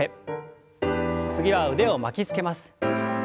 次は腕を巻きつけます。